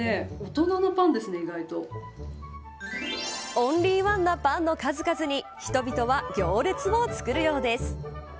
オンリーワンなパンの数々に人々は行列を作るようです。